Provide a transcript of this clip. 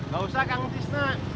gausah kang cisna